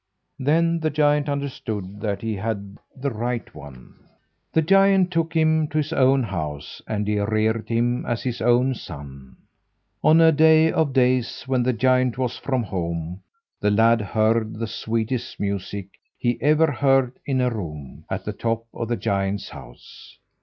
Then the giant understood that he had the right one. The giant took him to his own house, and he reared him as his own son. On a day of days when the giant was from home, the lad heard the sweetest music he ever heard in a room at the top of the giant's house.